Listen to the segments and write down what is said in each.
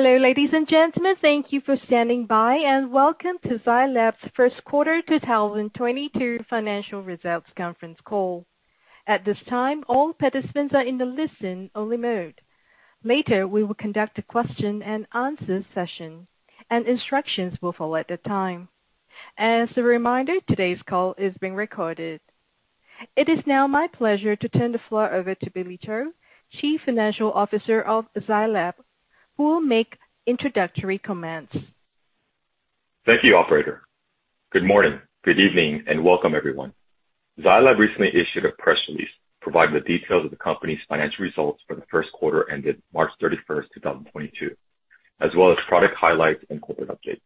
Hello, ladies and gentlemen. Thank you for standing by, and welcome to Zai Lab's first quarter 2022 financial results conference call. At this time, all participants are in the listen-only mode. Later, we will conduct a question and answer session, and instructions will follow at the time. As a reminder, today's call is being recorded. It is now my pleasure to turn the floor over to Billy Cho, Chief Financial Officer of Zai Lab, who will make introductory comments. Thank you, operator. Good morning, good evening, and welcome everyone. Zai Lab recently issued a press release providing the details of the company's financial results for the first quarter ended 31st March 2022, as well as product highlights and corporate updates.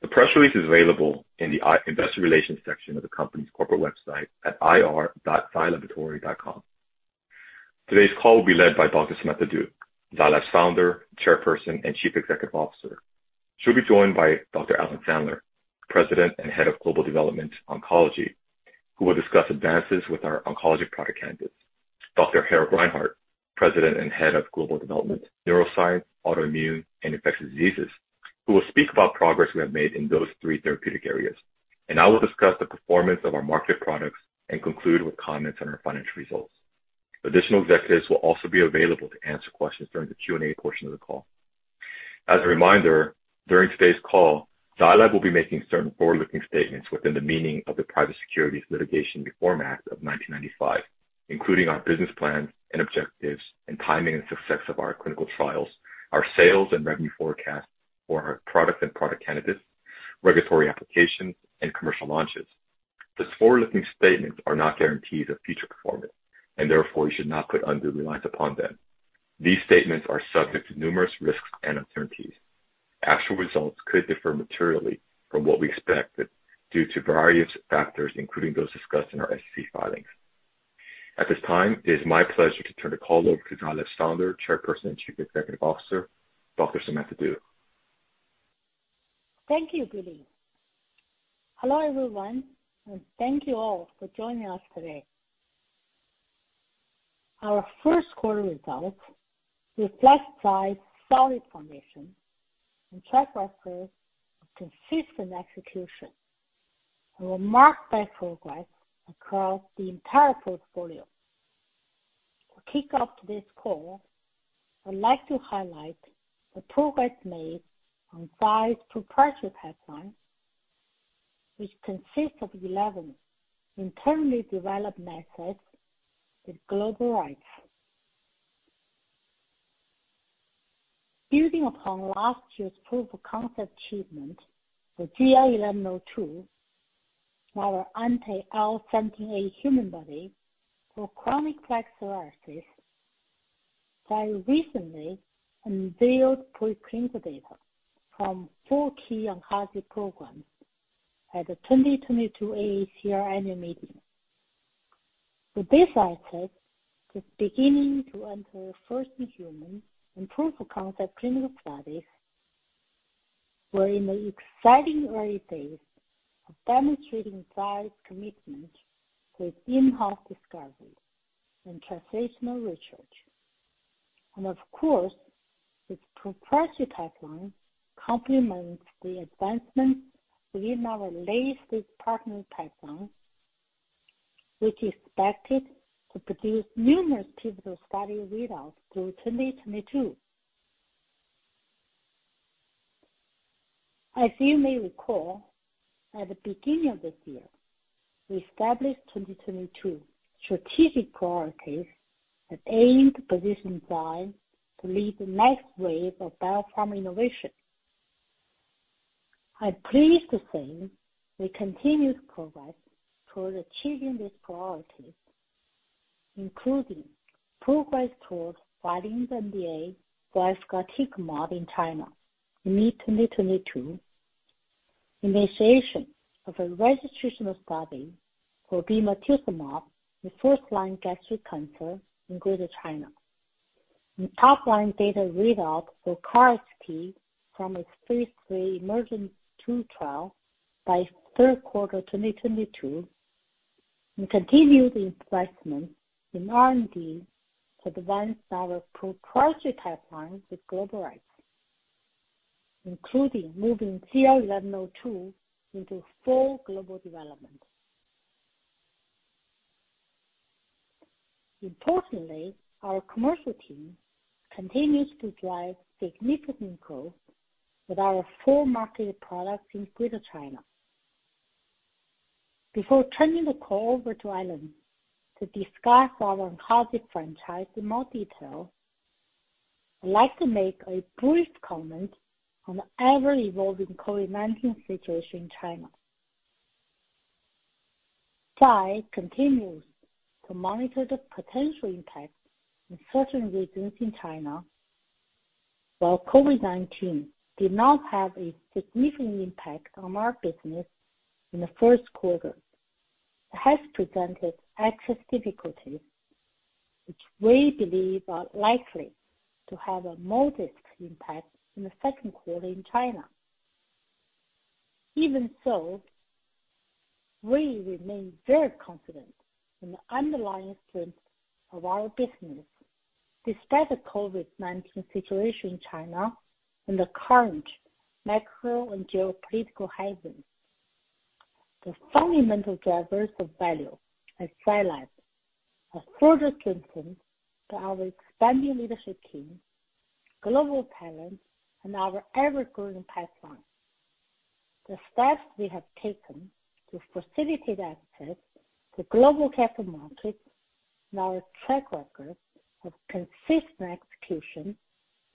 The press release is available in the investor relations section of the company's corporate website at ir.zailaboratory.com. Today's call will be led by Dr. Samantha Du, Zai Lab's Founder, Chairperson, and Chief Executive Officer. She'll be joined by Dr. Alan Sandler, President and Head of Global Development, Oncology, who will discuss advances with our oncology product candidates. Dr. Harald Reinhart, President and Head of Global Development, Neuroscience, Autoimmune, and Infectious Diseases, who will speak about progress we have made in those three therapeutic areas. I will discuss the performance of our marketed products and conclude with comments on our financial results. Additional executives will also be available to answer questions during the Q&A portion of the call. As a reminder, during today's call, Zai Lab will be making certain forward-looking statements within the meaning of the Private Securities Litigation Reform Act of 1995, including our business plans and objectives and timing and success of our clinical trials, our sales and revenue forecasts for our products and product candidates, regulatory applications, and commercial launches. These forward-looking statements are not guarantees of future performance, and therefore you should not put undue reliance upon them. These statements are subject to numerous risks and uncertainties. Actual results could differ materially from what we expected due to various factors, including those discussed in our SEC filings. At this time, it is my pleasure to turn the call over to Zai Lab's Founder, Chairperson, and Chief Executive Officer, Dr. Samantha Du. Thank you, Billy. Hello, everyone, and thank you all for joining us today. Our first quarter results reflect Zai's solid foundation and track record of consistent execution and were marked by progress across the entire portfolio. To kick off today's call, I'd like to highlight the progress made on Zai's proprietary pipeline, which consists of 11 internally developed modalities with global rights. Building upon last year's proof-of-concept treatment with ZL-1102, our anti-IL-17A human antibody for chronic plaque psoriasis, Zai recently unveiled presented data from four key oncology programs at the 2022 AACR annual meeting. With this asset, it's beginning to enter first-in-human and proof-of-concept clinical studies. We're in the exciting early days of demonstrating Zai's commitment to in-house discovery and translational research. Of course, this proprietary pipeline complements the advancements within our latest partner pipeline, which is expected to produce numerous pivotal study readouts through 2022. As you may recall, at the beginning of this year, we established 2022 strategic priorities that aim to position Zai Lab to lead the next wave of biopharma innovation. I'm pleased to say we continue to progress toward achieving these priorities, including progress towards filing the NDA for efgartigimod in China in mid-2022, initiation of a registrational study for bemarituzumab in first-line gastric cancer in Greater China, top-line data readout for KarXT from its phase III EMERGENT-2 trial by third quarter 2022, and continued investment in R&D to advance our proprietary pipeline with global rights, including moving ZL-1102 into full global development. Importantly, our commercial team continues to drive significant growth with our full marketed products in Greater China. Before turning the call over to Alan to discuss our oncology franchise in more detail, I'd like to make a brief comment on the ever-evolving COVID-19 situation in China. Zai continues to monitor the potential impact in certain regions in China, while COVID-19 did not have a significant impact on our business in the first quarter. It has presented access difficulties, which we believe are likely to have a modest impact in the second quarter in China. Even so, we remain very confident in the underlying strength of our business. Despite the COVID-19 situation in China and the current macro and geopolitical hazards, the fundamental drivers of value at Zai Lab are further strengthened by our expanding leadership team, global talent, and our ever-growing pipeline. The steps we have taken to facilitate access to global capital markets and our track record of consistent execution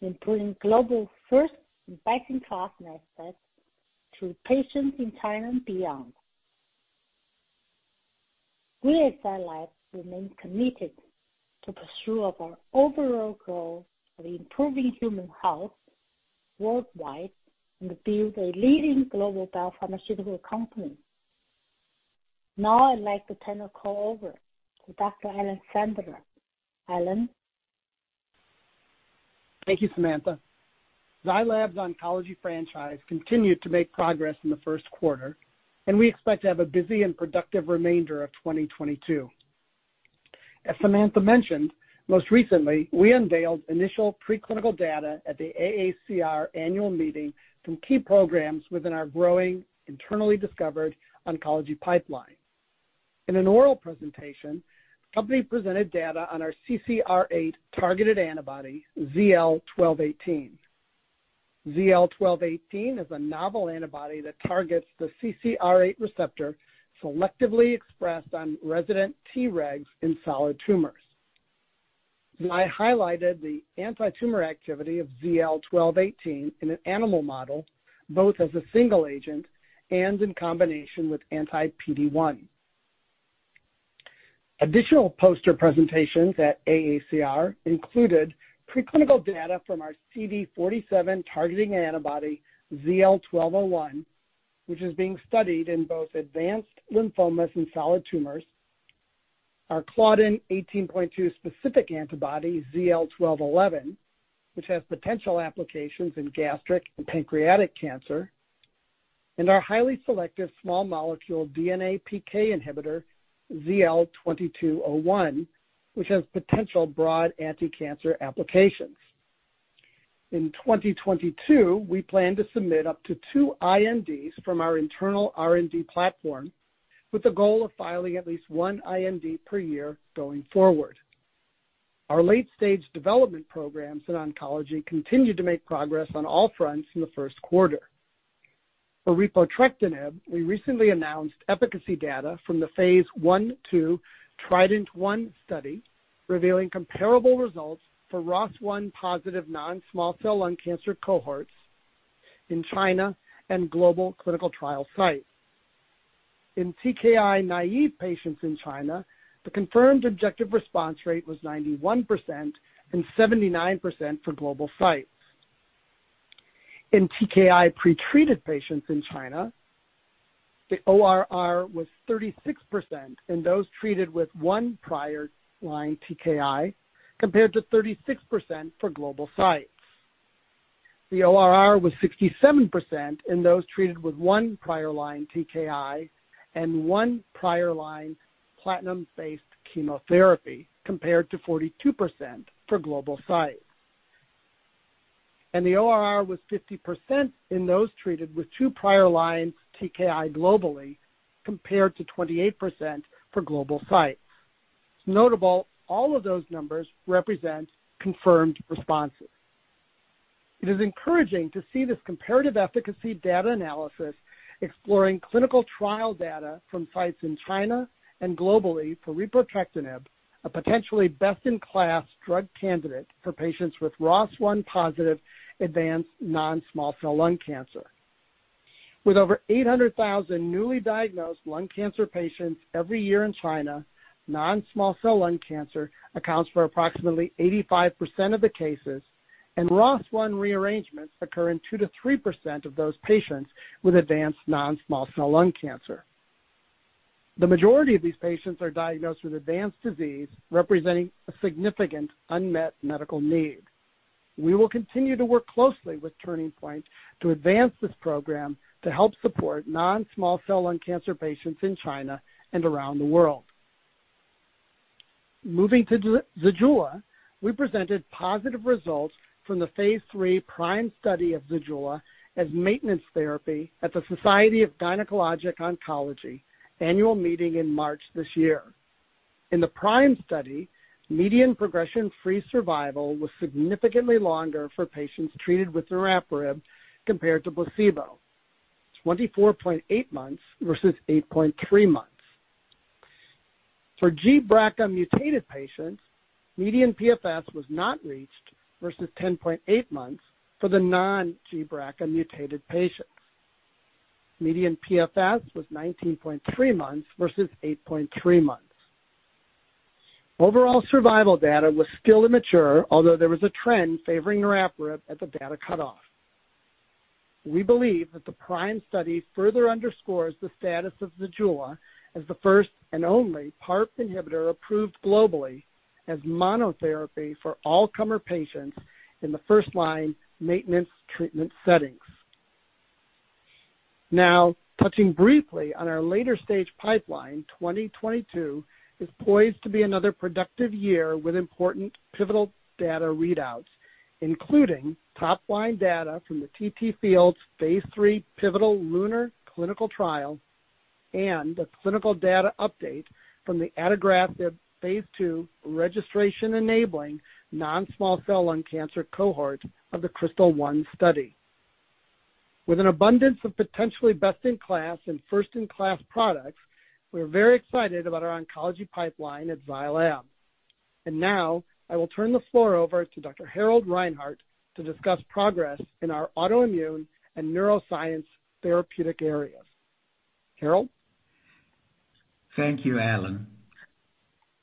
in bringing global first-in-class assets to patients in China and beyond. We at Zai Lab remain committed to the pursuit of our overall goal of improving human health worldwide and build a leading global biopharmaceutical company. Now I'd like to turn the call over to Dr. Alan Sandler. Alan? Thank you, Samantha. Zai Lab's oncology franchise continued to make progress in the first quarter, and we expect to have a busy and productive remainder of 2022. As Samantha mentioned, most recently, we unveiled initial preclinical data at the AACR annual meeting from key programs within our growing internally discovered oncology pipeline. In an oral presentation, the company presented data on our CCR8-targeted antibody, ZL-1218. ZL-1218 is a novel antibody that targets the CCR8 receptor selectively expressed on resident Tregs in solid tumors. I highlighted the antitumor activity of ZL-1218 in an animal model, both as a single agent and in combination with anti-PD-1. Additional poster presentations at AACR included preclinical data from our CD47-targeting antibody, ZL-1201, which is being studied in both advanced lymphomas and solid tumors. Our Claudin 18.2 specific antibody, ZL-1211, which has potential applications in gastric and pancreatic cancer, and our highly selective small molecule DNA-PK inhibitor, ZL-2201, which has potential broad anticancer applications. In 2022, we plan to submit up to two INDs from our internal R&D platform with the goal of filing at least 1 IND per year going forward. Our late-stage development programs in oncology continued to make progress on all fronts in the first quarter. For repotrectinib, we recently announced efficacy data from the phase I-II TRIDENT-1 study, revealing comparable results for ROS1-positive non-small cell lung cancer cohorts in China and global clinical trial sites. In TKI-naive patients in China, the confirmed objective response rate was 91% and 79% for global sites. In TKI pretreated patients in China, the ORR was 36% in those treated with one prior-line TKI, compared to 36% for global sites. The ORR was 67% in those treated with one prior line TKI and one prior line platinum-based chemotherapy, compared to 42% for global sites. The ORR was 50% in those treated with two prior lines TKI globally, compared to 28% for global sites. Notably, all of those numbers represent confirmed responses. It is encouraging to see this comparative efficacy data analysis exploring clinical trial data from sites in China and globally for repotrectinib, a potentially best-in-class drug candidate for patients with ROS1-positive advanced non-small cell lung cancer. With over 800,000 newly diagnosed lung cancer patients every year in China, non-small cell lung cancer accounts for approximately 85% of the cases, and ROS1 rearrangements occur in 2%-3% of those patients with advanced non-small cell lung cancer. The majority of these patients are diagnosed with advanced disease, representing a significant unmet medical need. We will continue to work closely with Turning Point Therapeutics to advance this program to help support non-small cell lung cancer patients in China and around the world. Moving to ZEJULA, we presented positive results from the phase III PRIME study of ZEJULA as maintenance therapy at the Society of Gynecologic Oncology annual meeting in March this year. In the PRIME study, median progression-free survival was significantly longer for patients treated with niraparib compared to placebo, 24.8 months versus 8.3 months. For gBRCA-mutated patients, median PFS was not reached versus 10.8 months for the non-gBRCA-mutated patients. Median PFS was 19.3 months versus 8.3 months. Overall survival data was still immature, although there was a trend favoring niraparib at the data cutoff. We believe that the PRIME study further underscores the status of ZEJULA as the first and only PARP inhibitor approved globally as monotherapy for all comer patients in the first line maintenance treatment settings. Now, touching briefly on our later stage pipeline, 2022 is poised to be another productive year with important pivotal data readouts, including top line data from the TTFields phase III pivotal LUNAR clinical trial, and the clinical data update from the adagrasib phase II registration-enabling non-small cell lung cancer cohort of the KRYSTAL-1 study. With an abundance of potentially best-in-class and first-in-class products, we're very excited about our oncology pipeline at Zai Lab. Now I will turn the floor over to Dr. Harald Reinhart to discuss progress in our autoimmune and neuroscience therapeutic areas. Harold. Thank you, Alan.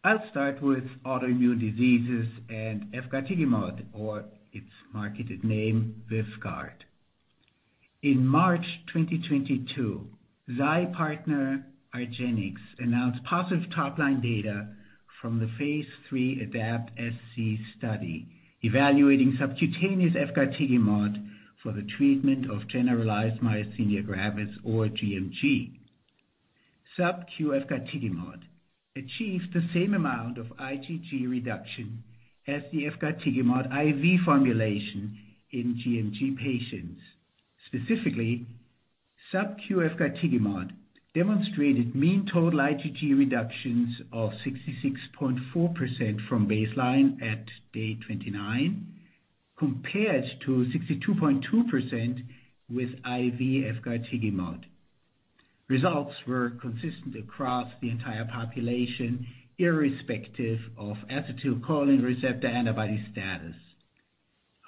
I'll start with autoimmune diseases and efgartigimod, or its marketed name, VYVGART. In March 2022, Zai partner argenx announced positive top-line data from the phase III ADAPT-SC study, evaluating subcutaneous efgartigimod for the treatment of generalized myasthenia gravis or gMG. SubQ efgartigimod achieved the same amount of IgG reduction as the efgartigimod IV formulation in gMG patients. Specifically, SubQ efgartigimod demonstrated mean total IgG reductions of 66.4% from baseline at day 29, compared to 62.2% with IV efgartigimod. Results were consistent across the entire population, irrespective of acetylcholine receptor antibody status.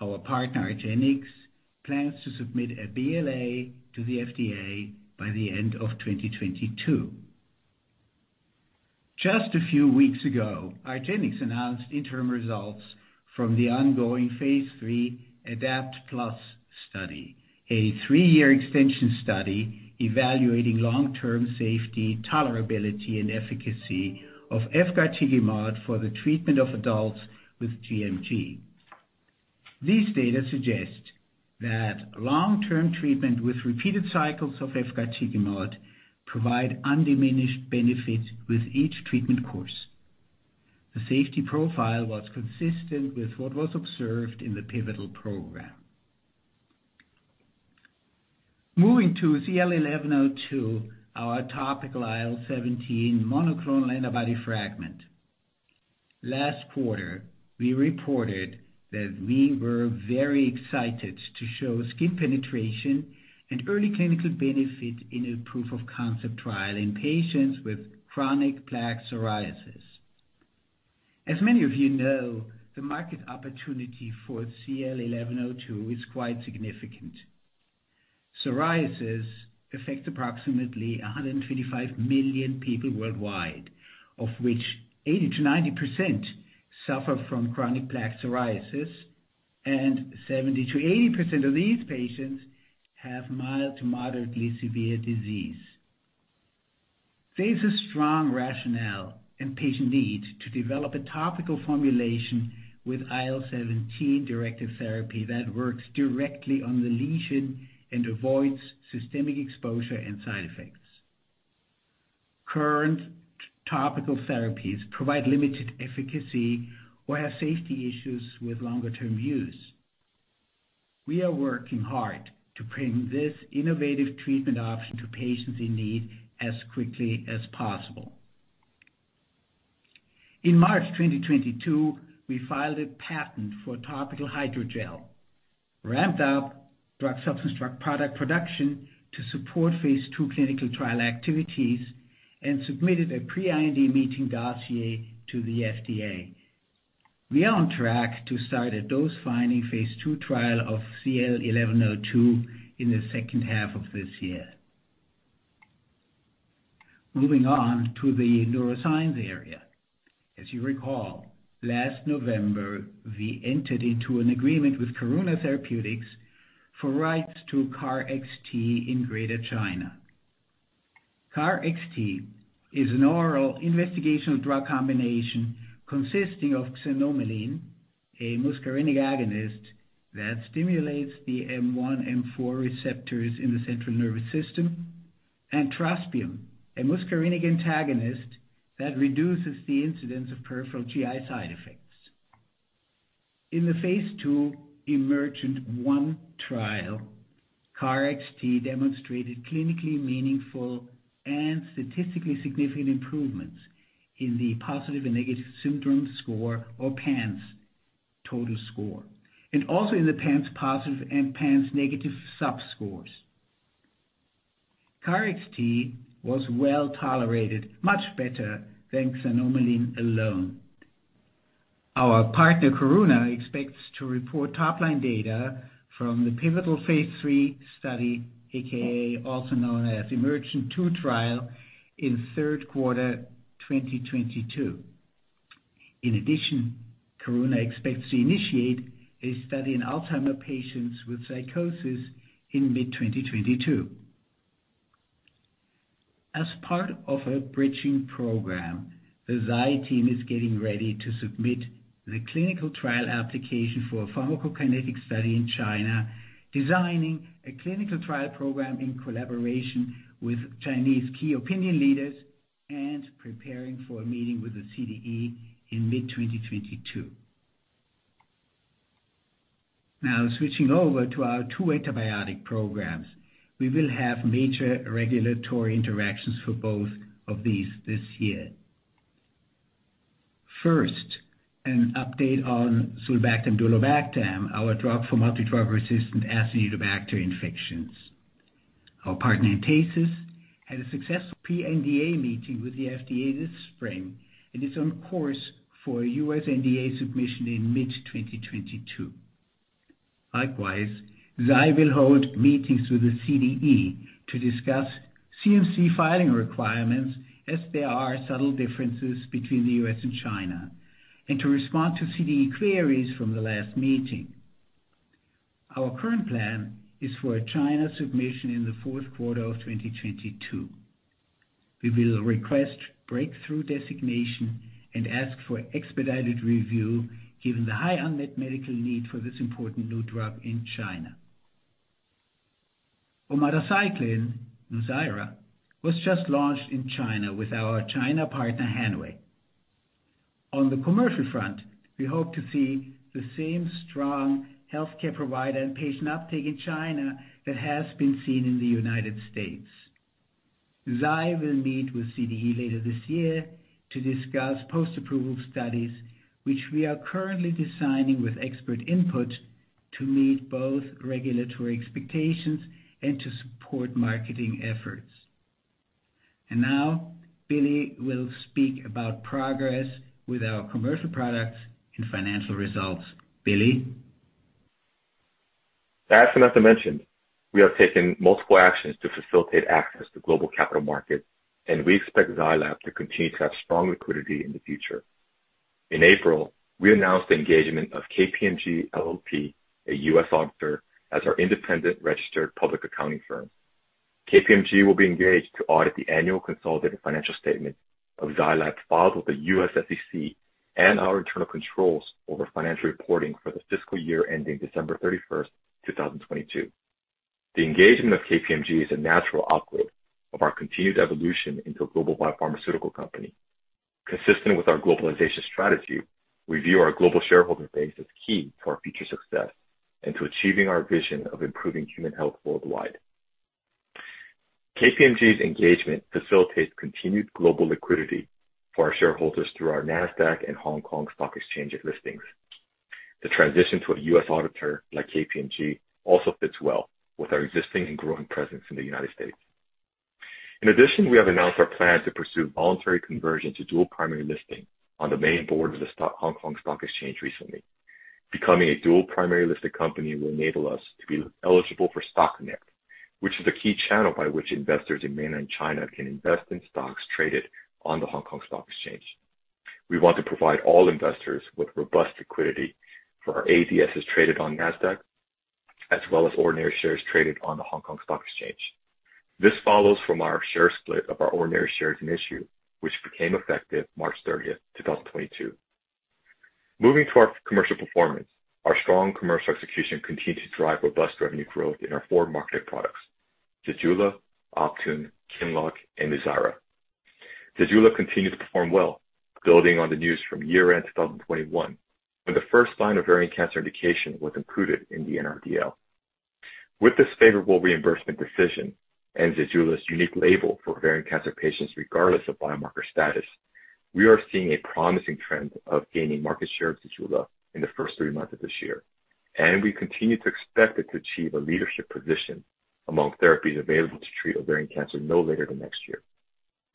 Our partner argenx plans to submit a BLA to the FDA by the end of 2022. Just a few weeks ago, argenx announced interim results from the ongoing phase III ADAPT+ study, a three-year extension study evaluating long-term safety, tolerability, and efficacy of efgartigimod for the treatment of adults with gMG. These data suggest that long-term treatment with repeated cycles of efgartigimod provide undiminished benefits with each treatment course. The safety profile was consistent with what was observed in the pivotal program. Moving to ZL-1102, our topical IL-17 monoclonal antibody fragment. Last quarter, we reported that we were very excited to show skin penetration and early clinical benefit in a proof of concept trial in patients with chronic plaque psoriasis. As many of you know, the market opportunity for ZL-1102 is quite significant. Psoriasis affects approximately 125 million people worldwide, of which 80%-90% suffer from chronic plaque psoriasis, and 70%-80% of these patients have mild to moderately severe disease. There's a strong rationale and patient need to develop a topical formulation with IL-17-directed therapy that works directly on the lesion and avoids systemic exposure and side effects. Current topical therapies provide limited efficacy or have safety issues with longer term use. We are working hard to bring this innovative treatment option to patients in need as quickly as possible. In March 2022, we filed a patent for topical hydrogel, ramped up drug substance, drug product production to support phase 2 clinical trial activities, and submitted a pre-IND meeting dossier to the FDA. We are on track to start a dose-finding phase 2 trial of ZL-1102 in the second half of this year. Moving on to the neuroscience area. As you recall, last November, we entered into an agreement with Karuna Therapeutics for rights to KarXT in Greater China. KarXT is an oral investigational drug combination consisting of xanomeline, a muscarinic agonist that stimulates the M1, M4 receptors in the central nervous system, and trospium, a muscarinic antagonist that reduces the incidence of peripheral GI side effects. In the phase II EMERGENT-1 trial, KarXT demonstrated clinically meaningful and statistically significant improvements in the positive and negative syndrome score or PANSS total score, and also in the PANSS positive and PANSS negative subscores. KarXT was well-tolerated, much better than xanomeline alone. Our partner, Karuna, expects to report top-line data from the pivotal phase III study, AKA, also known as EMERGENT-2 trial, in third quarter 2022. In addition, Karuna expects to initiate a study in Alzheimer's patients with psychosis in mid-2022. As part of a bridging program, the Zai team is getting ready to submit the clinical trial application for a pharmacokinetic study in China, designing a clinical trial program in collaboration with Chinese key opinion leaders and preparing for a meeting with the CDE in mid-2022. Now switching over to our two antibiotic programs. We will have major regulatory interactions for both of these this year. First, an update on sulbactam-durlobactam, our drug for multidrug-resistant Acinetobacter infections. Our partner, Entasis, had a successful pre-NDA meeting with the FDA this spring and is on course for a US NDA submission in mid-2022. Likewise, Zai will hold meetings with the CDE to discuss CMC filing requirements as there are subtle differences between the U.S. and China, and to respond to CDE queries from the last meeting. Our current plan is for a China submission in the fourth quarter of 2022. We will request breakthrough designation and ask for expedited review given the high unmet medical need for this important new drug in China. Omadacycline, NUZYRA, was just launched in China with our China partner, Hanhui. On the commercial front, we hope to see the same strong healthcare provider and patient uptake in China that has been seen in the United States. Zai will meet with CDE later this year to discuss post-approval studies, which we are currently designing with expert input to meet both regulatory expectations and to support marketing efforts. Now Billy will speak about progress with our commercial products and financial results. Billy? As Samantha mentioned, we have taken multiple actions to facilitate access to global capital markets, and we expect Zai Lab to continue to have strong liquidity in the future. In April, we announced the engagement of KPMG LLP, a U.S. auditor, as our independent registered public accounting firm. KPMG will be engaged to audit the annual consolidated financial statement of Zai Lab filed with the U.S. SEC and our internal controls over financial reporting for the fiscal year ending December 31, 2022. The engagement of KPMG is a natural upgrade of our continued evolution into a global biopharmaceutical company. Consistent with our globalization strategy, we view our global shareholder base as key to our future success and to achieving our vision of improving human health worldwide. KPMG's engagement facilitates continued global liquidity for our shareholders through our Nasdaq and Hong Kong Stock Exchange listings. The transition to a U.S. auditor like KPMG also fits well with our existing and growing presence in the United States. In addition, we have announced our plan to pursue voluntary conversion to dual primary listing on the main board of the Hong Kong Stock Exchange recently. Becoming a dual primary listed company will enable us to be eligible for Stock Connect, which is the key channel by which investors in mainland China can invest in stocks traded on the Hong Kong Stock Exchange. We want to provide all investors with robust liquidity for our ADSs traded on Nasdaq, as well as ordinary shares traded on the Hong Kong Stock Exchange. This follows from our share split of our ordinary shares in issue, which became effective 30th March 2022. Moving to our commercial performance. Our strong commercial execution continued to drive robust revenue growth in our four marketed products, ZEJULA, Optune, QINLOCK, and NUZYRA. ZEJULA continued to perform well, building on the news from year-end 2021, when the first-line ovarian cancer indication was included in the NRDL. With this favorable reimbursement decision and ZEJULA's unique label for ovarian cancer patients regardless of biomarker status, we are seeing a promising trend of gaining market share of ZEJULA in the first three months of this year, and we continue to expect it to achieve a leadership position among therapies available to treat ovarian cancer no later than next year.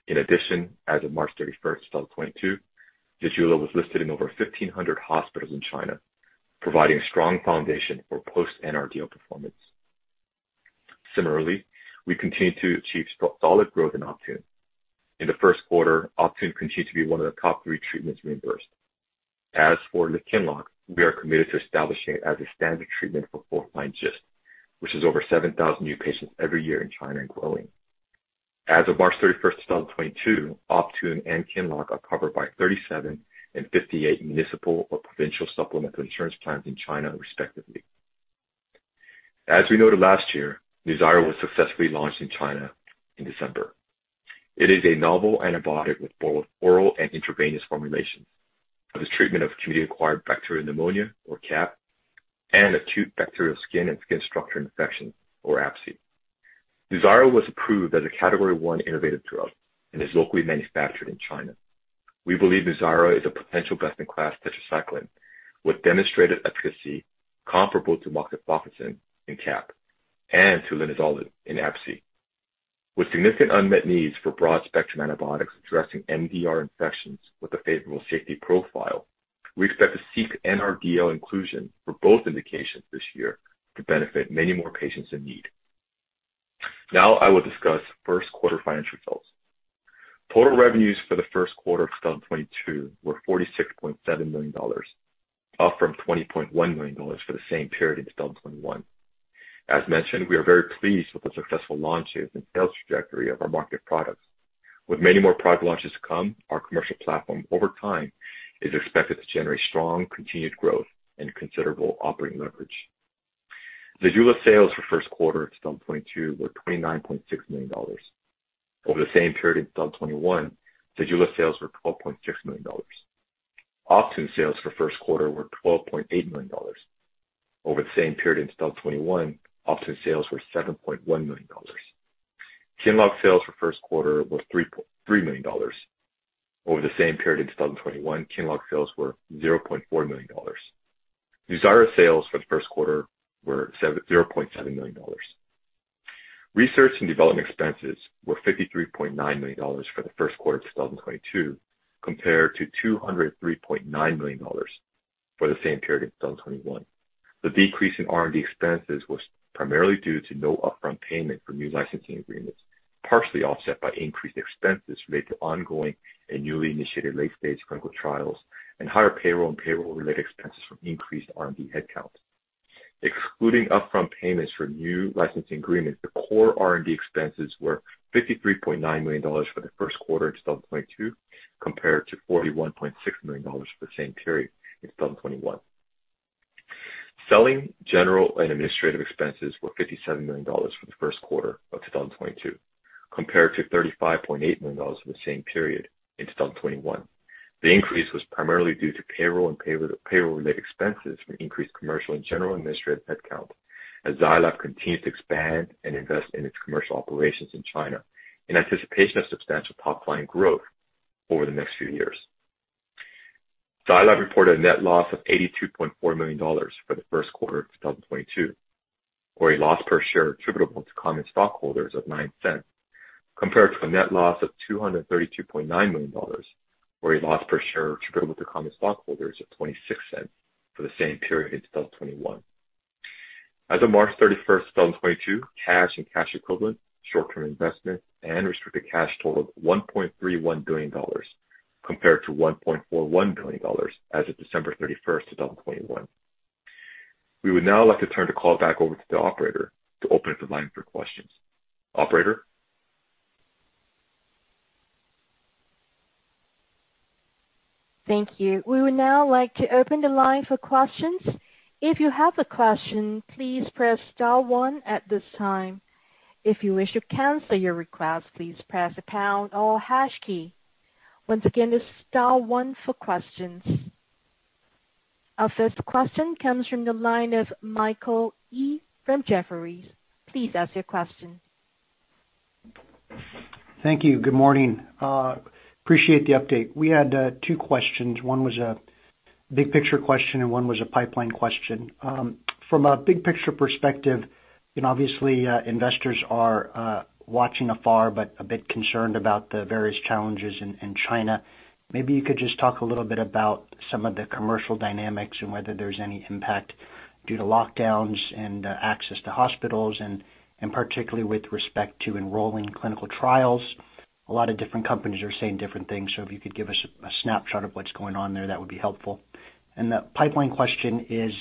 In addition, as of 31st March 2022, ZEJULA was listed in over 1,500 hospitals in China, providing a strong foundation for post-NRDL performance. Similarly, we continue to achieve solid growth in Optune. In the first quarter, Optune continued to be one of the top three treatments reimbursed. As for QINLOCK, we are committed to establishing it as a standard treatment for fourth-line GIST, which is over 7,000 new patients every year in China and growing. As of 31st March 2022, Optune and QINLOCK are covered by 37 and 58 municipal or provincial supplemental insurance plans in China, respectively. As we noted last year, NUZYRA was successfully launched in China in December. It is a novel antibiotic with both oral and intravenous formulations for this treatment of community-acquired bacterial pneumonia, or CAP, and acute bacterial skin and skin structure infection, or ABSSSI. NUZYRA was approved as a category one innovative drug and is locally manufactured in China. We believe NUZYRA is a potential best-in-class tetracycline with demonstrated efficacy comparable to moxifloxacin in CAP and to linezolid in ABSSSI. With significant unmet needs for broad-spectrum antibiotics addressing MDR infections with a favorable safety profile, we expect to seek NRDL inclusion for both indications this year to benefit many more patients in need. Now I will discuss first quarter financial results. Total revenues for the first quarter of 2022 were $46.7 million, up from $20.1 million for the same period in 2021. As mentioned, we are very pleased with the successful launches and sales trajectory of our market products. With many more product launches to come, our commercial platform over time is expected to generate strong continued growth and considerable operating leverage. The ZEJULA sales for first quarter 2022 were $29.6 million. Over the same period in 2021, the ZEJULA sales were $12.6 million. Optune sales for the first quarter were $12.8 million. Over the same period in 2021, Optune sales were $7.1 million. QINLOCK sales for the first quarter were $3 million. Over the same period in 2021, QINLOCK sales were $0.4 million. NUZYRA sales for the first quarter were $0.7 million. Research and development expenses were $53.9 million for the first quarter of 2022, compared to $203.9 million for the same period in 2021. The decrease in R&D expenses was primarily due to no upfront payment for new licensing agreements, partially offset by increased expenses related to ongoing and newly initiated late-stage clinical trials and higher payroll and payroll-related expenses from increased R&D headcount. Excluding upfront payments for new licensing agreements, the core R&D expenses were $53.9 million for the first quarter in 2022, compared to $41.6 million for the same period in 2021. Selling general and administrative expenses were $57 million for the first quarter of 2022, compared to $35.8 million for the same period in 2021. The increase was primarily due to payroll and payroll-related expenses from increased commercial and general administrative headcount as Zai Lab continues to expand and invest in its commercial operations in China in anticipation of substantial top-line growth over the next few years. Zai Lab reported a net loss of $82.4 million for the first quarter of 2022, or a loss per share attributable to common stockholders of 9 cents, compared to a net loss of $232.9 million, or a loss per share attributable to common stockholders of 26 cents for the same period in 2021. As of 31st March 2022, cash and cash equivalents, short-term investments, and restricted cash totaled $1.31 billion, compared to $1.41 billion as of 31st December 2021. We would now like to turn the call back over to the operator to open up the line for questions. Operator? Thank you. We would now like to open the line for questions. If you have a question, please press star one at this time. If you wish to cancel your request, please press a pound or hash key. Once again, it's star one for questions. Our first question comes from the line of Michael Yee from Jefferies. Please ask your question. Thank you. Good morning. Appreciate the update. We had two questions. One was a big picture question and one was a pipeline question. From a big picture perspective, you know, obviously, investors are watching afar, but a bit concerned about the various challenges in China. Maybe you could just talk a little bit about some of the commercial dynamics and whether there's any impact due to lockdowns and access to hospitals and particularly with respect to enrolling clinical trials. A lot of different companies are saying different things. If you could give us a snapshot of what's going on there, that would be helpful. The pipeline question is,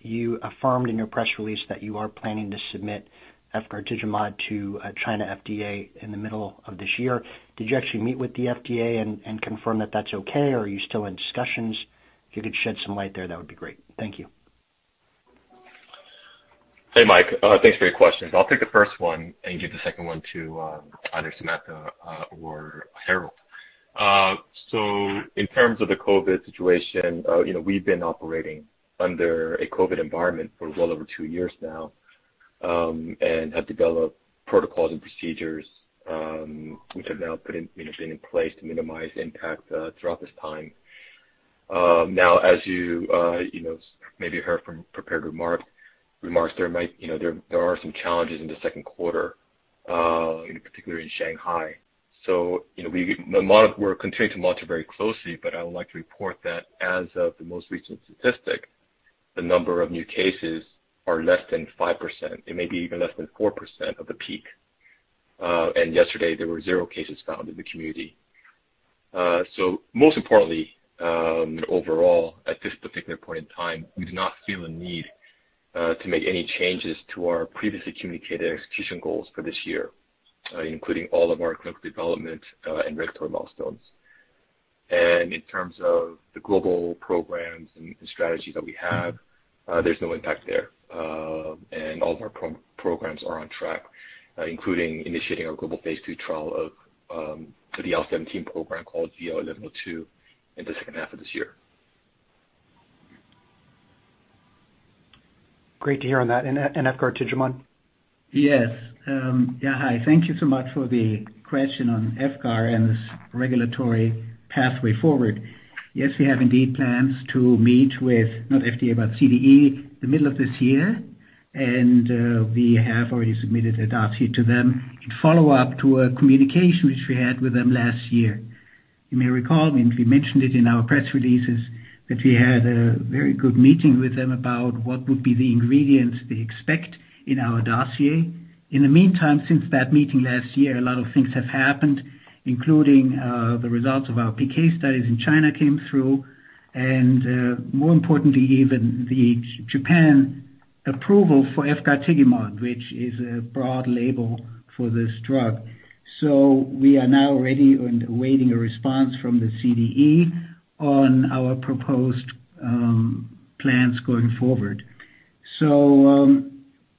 you affirmed in your press release that you are planning to submit efgartigimod to China FDA in the middle of this year. Did you actually meet with the FDA and confirm that that's okay, or are you still in discussions? If you could shed some light there, that would be great. Thank you. Hey, Mike. Thanks for your questions. I'll take the first one and give the second one to either Samantha or Harald. In terms of the COVID situation, you know, we've been operating under a COVID environment for well over two years now and have developed protocols and procedures which have now, you know, been in place to minimize impact throughout this time. Now, as you know, maybe heard from prepared remarks, there might, you know, there are some challenges in the second quarter, in particular in Shanghai. You know, we're continuing to monitor very closely, but I would like to report that as of the most recent statistic, the number of new cases are less than 5%. It may be even less than 4% of the peak. Yesterday there were 0 cases found in the community. Most importantly, overall, at this particular point in time, we do not feel a need to make any changes to our previously communicated execution goals for this year, including all of our clinical development and regulatory milestones. In terms of the global programs and strategies that we have, there's no impact there. All of our programs are on track, including initiating our global phase 2 trial for the IL-17 program called ZL-1102 in the second half of this year. Great to hear on that. Efgartigimod? Yes. Thank you so much for the question on efgartigimod and this regulatory pathway forward. Yes, we have indeed plans to meet with not FDA, but CDE the middle of this year, and we have already submitted a dossier to them in follow-up to a communication which we had with them last year. You may recall, and we mentioned it in our press releases, that we had a very good meeting with them about what would be the ingredients they expect in our dossier. In the meantime, since that meeting last year, a lot of things have happened, including the results of our PK studies in China came through, and more importantly, even the Japan approval for efgartigimod, which is a broad label for this drug. We are now ready and awaiting a response from the CDE on our proposed plans going forward.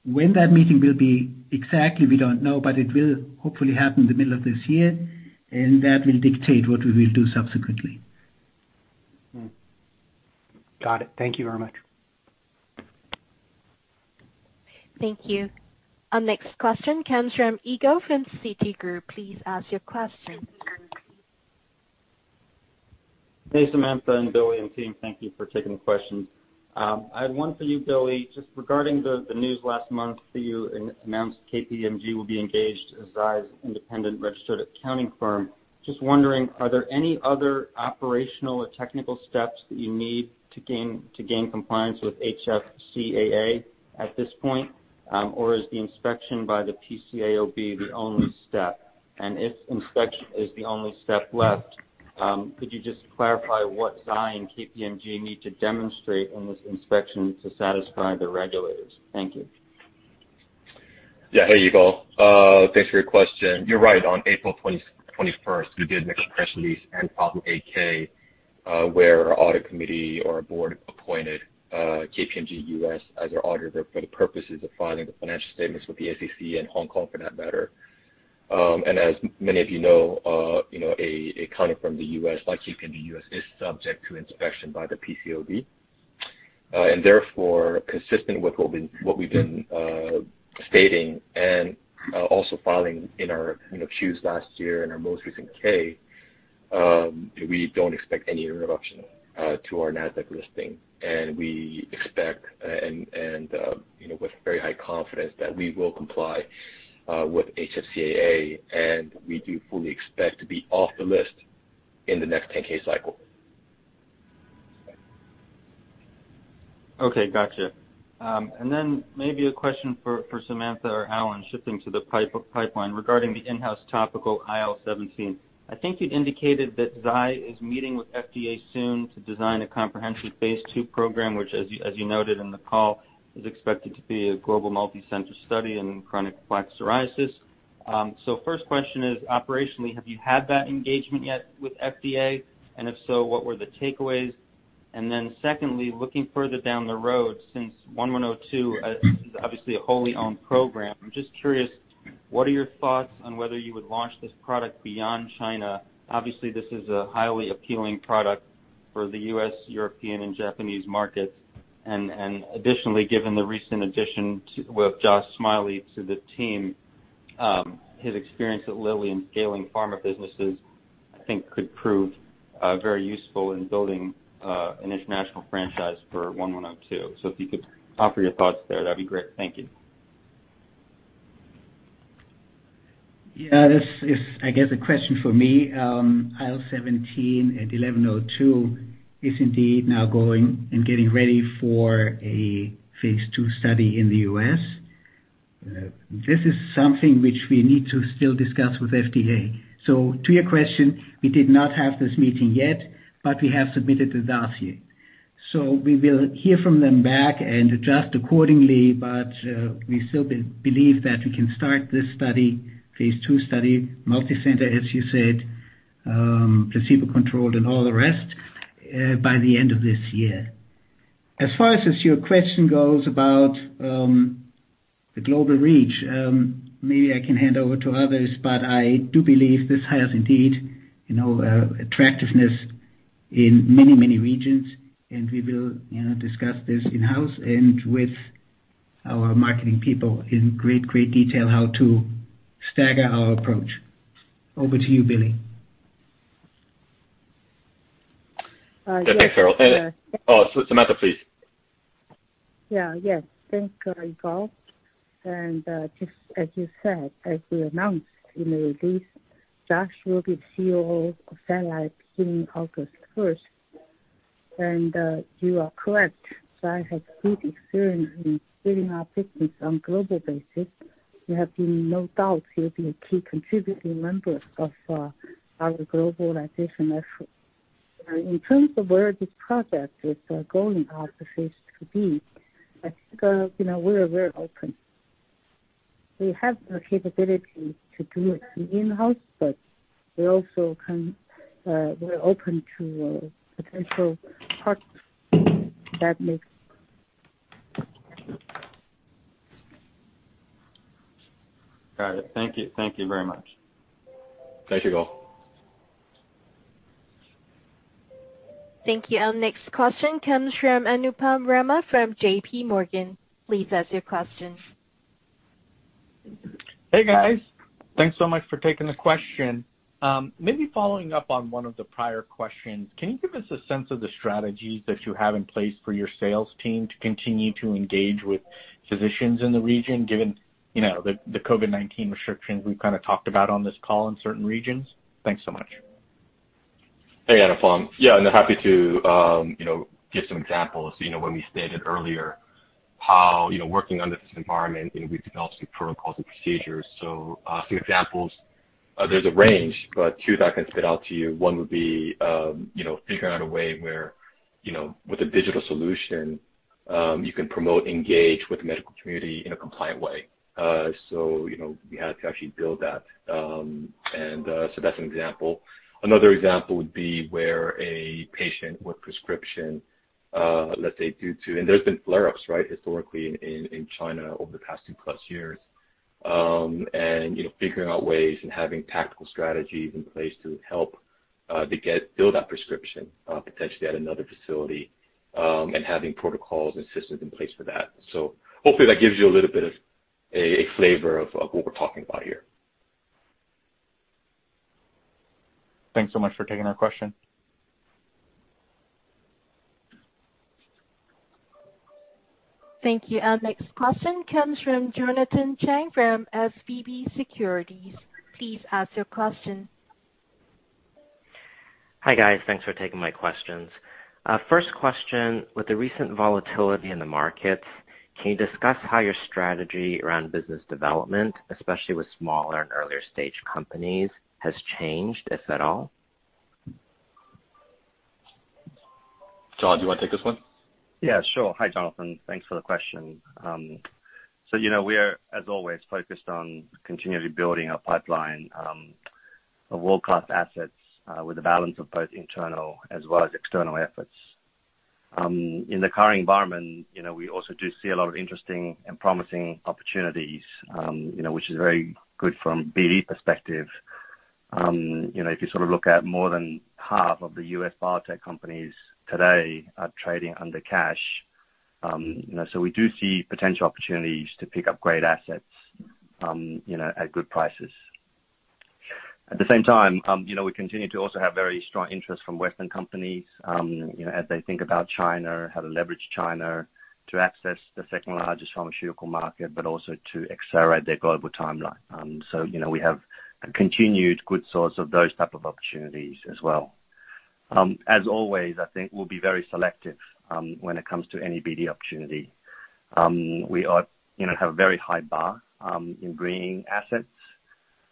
When that meeting will be exactly, we don't know, but it will hopefully happen in the middle of this year, and that will dictate what we will do subsequently. Got it. Thank you very much. Thank you. Our next question comes from Yigal from Citi. Please ask your question. Hey, Samantha and Billy and team. Thank you for taking the questions. I had one for you, Billy, just regarding the news last month that you announced KPMG will be engaged as Zai's independent registered accounting firm. Just wondering, are there any other operational or technical steps that you need to gain compliance with HFCAA at this point, or is the inspection by the PCAOB the only step? If inspection is the only step left, could you just clarify what Zai and KPMG need to demonstrate in this inspection to satisfy the regulators? Thank you. Yeah. Hey, Yigal. Thanks for your question. You're right. On April twenty-first, we did make a press release and filed an 8-K, where our audit committee or our board appointed KPMG US as our auditor for the purposes of filing the financial statements with the SEC and Hong Kong for that matter. And as many of you know, you know, a firm from the US, like KPMG U.S., is subject to inspection by the PCAOB. And therefore, consistent with what we've been stating and also filing in our 10-Qs last year and our most recent 10-K, we don't expect any interruption to our Nasdaq listing. We expect, you know, with very high confidence that we will comply with HFCAA, and we do fully expect to be off the list in the next 10-K cycle. Okay. Gotcha. Maybe a question for Samantha or Alan, shifting to the pipeline regarding the in-house topical IL-17. I think you'd indicated that Zai is meeting with FDA soon to design a comprehensive phase II program, which as you noted in the call, is expected to be a global multi-center study in chronic plaque psoriasis. First question is, operationally, have you had that engagement yet with FDA? And if so, what were the takeaways? Secondly, looking further down the road, since ZL-1102 is obviously a wholly owned program, I'm just curious, what are your thoughts on whether you would launch this product beyond China? Obviously, this is a highly appealing product for the U.S., European, and Japanese markets. Additionally, given the recent addition with Josh Smiley to the team, his experience at Lilly and scaling pharma businesses, I think could prove very useful in building an international franchise for 1102. If you could offer your thoughts there, that'd be great. Thank you. Yeah. This is, I guess, a question for me. IL-17 and ZL-1102 is indeed now going and getting ready for a phase two study in the U.S. This is something which we need to still discuss with FDA. To your question, we did not have this meeting yet, but we have submitted the dossier. We will hear from them back and adjust accordingly, but we still believe that we can start this study, phase two study, multicenter, as you said, placebo controlled and all the rest, by the end of this year. As far as your question goes about the global reach, maybe I can hand over to others, but I do believe this has indeed, you know, attractiveness in many, many regions, and we will, you know, discuss this in-house and with our marketing people in great detail how to stagger our approach. Over to you, Billy. Yeah. Thanks, Harald. Yes. Oh, Samantha, please. Yeah. Yes. Thanks, Yigal. Just as you said, as we announced in the release, Josh will be CEO of Zai Lab beginning August first. You are correct. Zai has good experience in building our business on global basis. There have been no doubts he'll be a key contributing member of our globalization effort. In terms of where this project is going after phase II-B, I think, you know, we're very open. We have the capability to do it in-house, but we're open to potential partners that makes. Got it. Thank you. Thank you very much. Thanks, Yigal. Thank you. Our next question comes from Anupam Rama from JPMorgan. Please ask your question. Hey, guys. Thanks so much for taking the question. Maybe following up on one of the prior questions, can you give us a sense of the strategies that you have in place for your sales team to continue to engage with physicians in the region given, you know, the COVID-19 restrictions we've kinda talked about on this call in certain regions? Thanks so much. Hey, Anupam. Yeah, I'm happy to, you know, give some examples, you know, when we stated earlier how, you know, working under this environment, you know, we've developed some protocols and procedures. Some examples, there's a range, but two that I can spit out to you. One would be, you know, figuring out a way where, you know, with a digital solution, you can promote, engage with the medical community in a compliant way. You know, we had to actually build that. That's an example. Another example would be where a patient with prescription, let's say due to. There's been flare-ups, right, historically in China over the past 2+years. You know, figuring out ways and having tactical strategies in place to help build that prescription potentially at another facility, and having protocols and systems in place for that. Hopefully that gives you a little bit of a flavor of what we're talking about here. Thanks so much for taking our question. Thank you. Our next question comes from Jonathan Chang from SVB Leerink. Please ask your question. Hi, guys. Thanks for taking my questions. First question: With the recent volatility in the markets, can you discuss how your strategy around business development, especially with smaller and earlier stage companies, has changed, if at all? John, do you wanna take this one? Yeah, sure. Hi, Jonathan. Thanks for the question. So you know, we are, as always, focused on continually building our pipeline of world-class assets with a balance of both internal as well as external efforts. In the current environment, you know, we also do see a lot of interesting and promising opportunities, you know, which is very good from BD perspective. You know, if you sort of look at more than half of the U.S. biotech companies today are trading under cash. You know, so we do see potential opportunities to pick up great assets, you know, at good prices. At the same time, you know, we continue to also have very strong interest from Western companies, you know, as they think about China, how to leverage China to access the second-largest pharmaceutical market, but also to accelerate their global timeline. You know, we have a continued good source of those type of opportunities as well. As always, I think we'll be very selective, when it comes to any BD opportunity. We are, you know, have a very high bar, in bringing assets.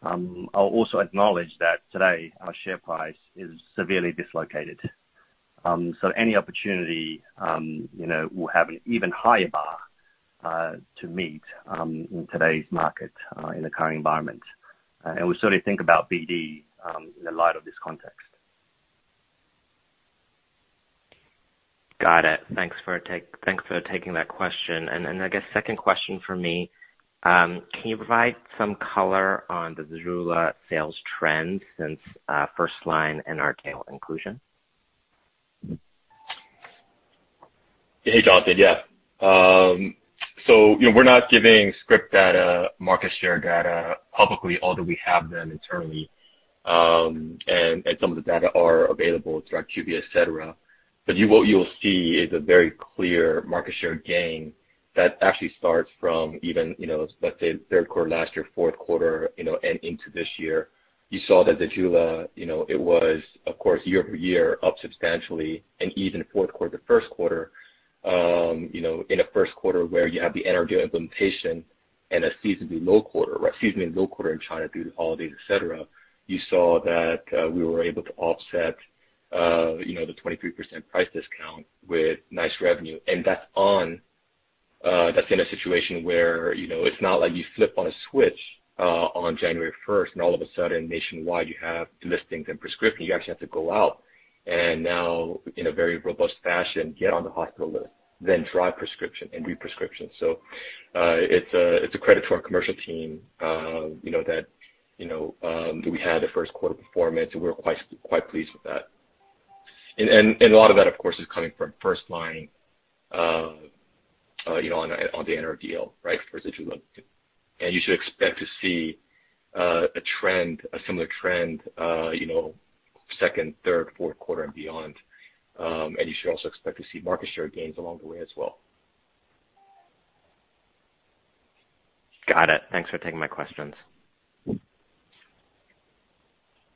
I'll also acknowledge that today our share price is severely dislocated. Any opportunity, you know, will have an even higher bar, to meet, in today's market, in the current environment. We sort of think about BD, in the light of this context. Got it. Thanks for taking that question. I guess second question from me, can you provide some color on the ZEJULA sales trends since first line NRDL inclusion? Hey, Jonathan. Yeah. You know, we're not giving script data, market share data publicly, although we have them internally. Some of the data are available through IQVIA, et cetera. What you'll see is a very clear market share gain that actually starts from even, you know, let's say third quarter last year, fourth quarter, you know, and into this year. You saw that ZEJULA, you know, it was of course year-over-year up substantially and even fourth quarter to first quarter. You know, in a first quarter where you have the NRDL implementation and a seasonally low quarter, right? Seasonally low quarter in China due to holidays, et cetera. You saw that we were able to offset, you know, the 23% price discount with nice revenue. That's in a situation where, you know, it's not like you flip on a switch on January first and all of a sudden nationwide you have listings and prescriptions. You actually have to go out and in a very robust fashion, get on the hospital list, then drive prescription and re-prescription. It's a credit to our commercial team, you know, that we had the first quarter performance. We're quite pleased with that. A lot of that of course is coming from first line, you know, on the NRDL deal, right? For ZEJULA. You should expect to see a similar trend, you know, second, third, fourth quarter and beyond. You should also expect to see market share gains along the way as well. Got it. Thanks for taking my questions.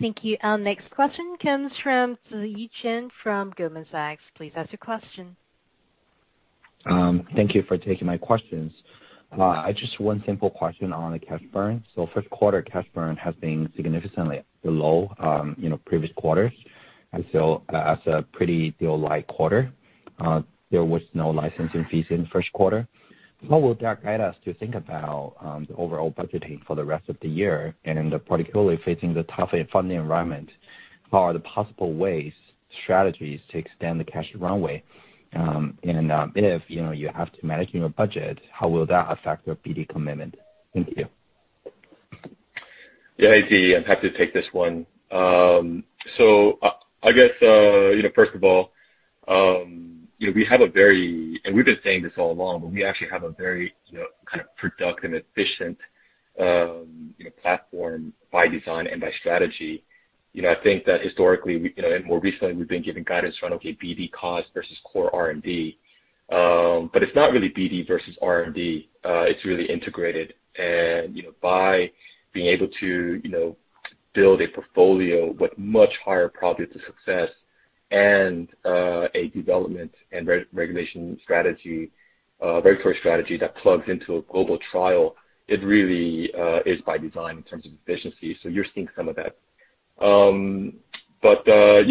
Thank you. Our next question comes from Ziyi Chen from Goldman Sachs. Please ask your question. Thank you for taking my questions. Just one simple question on the cash burn. First quarter cash burn has been significantly below, you know, previous quarters, and as a pretty deal-light quarter, there was no licensing fees in the first quarter. How will that guide us to think about the overall budgeting for the rest of the year? And in particular, facing the tougher funding environment, what are the possible ways, strategies to extend the cash runway? And if, you know, you have to manage your budget, how will that affect your BD commitment? Thank you. Yeah. Hey, Ziyi. I'm happy to take this one. So I guess, you know, first of all, you know, we've been saying this all along, but we actually have a very, you know, kind of productive and efficient, you know, platform by design and by strategy. You know, I think that historically we, you know, and more recently we've been giving guidance around our BD cost versus core R&D. It's not really BD versus R&D. It's really integrated. You know, by being able to, you know, build a portfolio with much higher probability of success and a development and regulatory strategy that plugs into a global trial. It really is by design in terms of efficiency, so you're seeing some of that.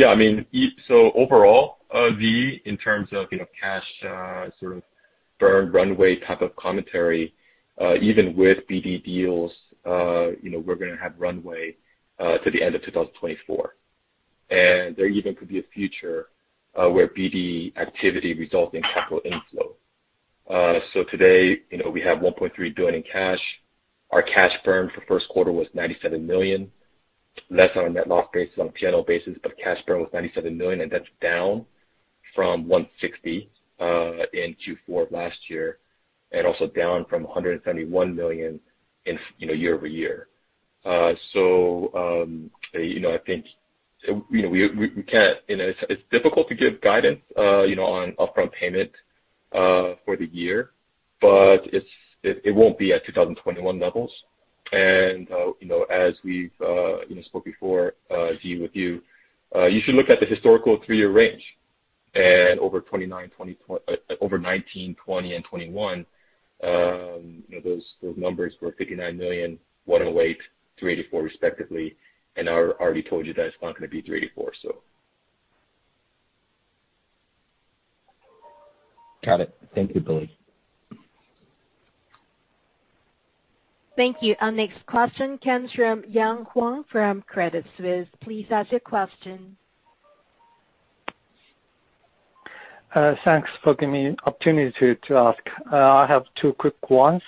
I mean, overall, then in terms of, you know, cash, sort of burn runway type of commentary, even with BD deals, you know, we're gonna have runway to the end of 2024. There even could be a future where BD activity results in capital inflow. Today, you know, we have $1.3 billion in cash. Our cash burn for first quarter was $97 million. That's on a net loss basis, on P&L basis, but cash burn was $97 million, and that's down from $160 million in Q4 last year, and also down from $171 million year-over-year. You know, I think you know, we can't you know, it's difficult to give guidance you know, on upfront payment for the year, but it won't be at 2021 levels. You know, as we've spoken before with you should look at the historical three-year range over 2019, 2020 and 2021. You know, those numbers were $59 million, $108 million, $384 million respectively and I already told you that it's not gonna be $384 million. Got it. Thank you, Billy. Thank you. Our next question comes from Yang Huang from Credit Suisse. Please ask your question. Thanks for giving me an opportunity to ask. I have two quick ones.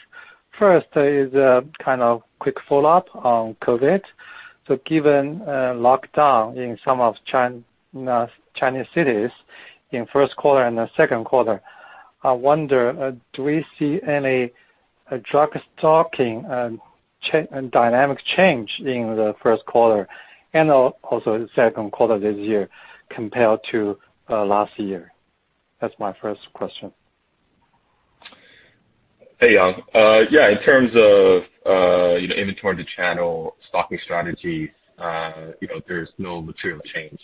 First is a kind of quick follow-up on COVID. Given lockdown in some of Chinese cities in first quarter and the second quarter, I wonder, do we see any drug stocking dynamic change in the first quarter and also the second quarter this year compared to last year? That's my first question. Hey, Yang. Yeah, in terms of, you know, inventory to channel stocking strategies, you know, there's no material change.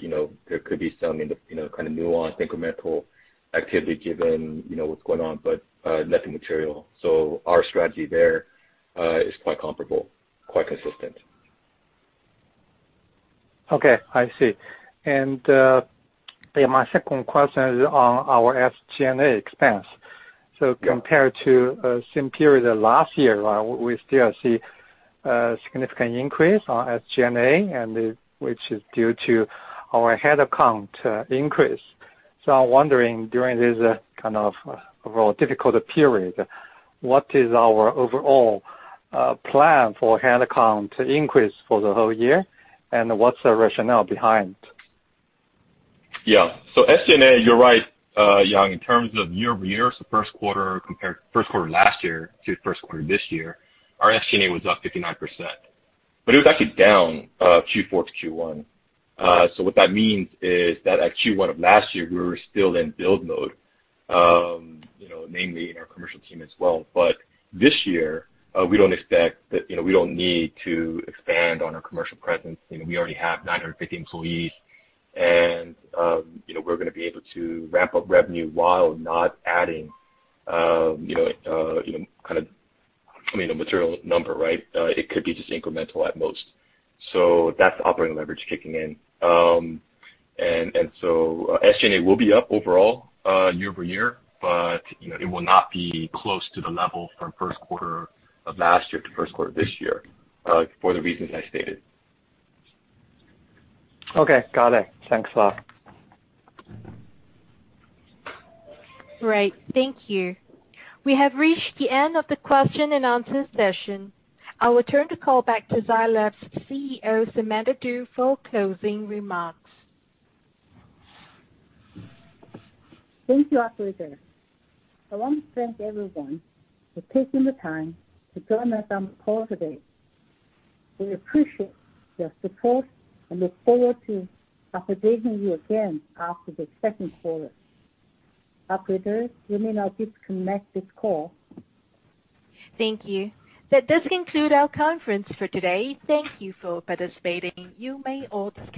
You know, there could be some in the, you know, kind of nuanced incremental activity given, you know, what's going on, but nothing material. Our strategy there is quite comparable, quite consistent. Okay, I see. My second question is on our SG&A expense. Compared to same period of last year, we still see significant increase on SG&A and which is due to our head count increase. I'm wondering during this kind of overall difficult period, what is our overall plan for head count increase for the whole year and what's the rationale behind? Yeah. SG&A, you're right, Yang, in terms of year-over-year, first quarter compared first quarter last year to first quarter this year, our SG&A was up 59%, but it was actually down, Q4-Q1. What that means is that at Q1 of last year, we were still in build mode, you know, mainly in our commercial team as well. This year, we don't expect that, you know, we don't need to expand on our commercial presence. You know, we already have 950 employees and, you know, we're gonna be able to ramp up revenue while not adding, you know, kind of, I mean, a material number, right? It could be just incremental at most. That's operating leverage kicking in. SG&A will be up overall year-over-year, but you know, it will not be close to the level from first quarter of last year to first quarter this year for the reasons I stated. Okay. Got it. Thanks a lot. Great. Thank you. We have reached the end of the question and answer session. I will turn the call back to Zai Lab's CEO, Samantha Du, for closing remarks. Thank you, operator. I want to thank everyone for taking the time to join us on the call today. We appreciate your support and look forward to updating you again after the second quarter. Operator, you may now disconnect this call. Thank you. That does conclude our conference for today. Thank you for participating. You may all disconnect.